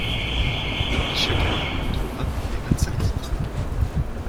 Elle publie chaque année entre vingt et vingt-cinq titres.